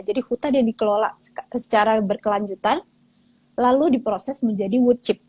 jadi hutan yang dikelola secara berkelanjutan lalu diproses menjadi wood chip